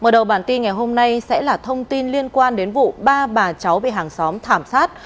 mở đầu bản tin ngày hôm nay sẽ là thông tin liên quan đến vụ ba bà cháu bị hàng xóm thảm sát